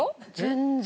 全然。